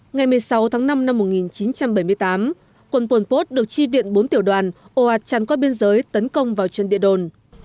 ngày một mươi sáu tháng năm năm một nghìn chín trăm bảy mươi tám quận puon pot được chi viện bốn tiểu đoàn oat chăn qua biên giới tấn công vào chân địa đồn